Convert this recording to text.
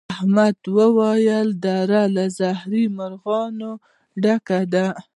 احمد وويل: دره له زهري مرغانو ډکه ده.